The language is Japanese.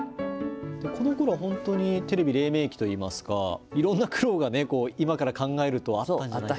このころは本当にテレビれい明期といいますか、いろんな苦労が今から考えるとあったんじゃないかと。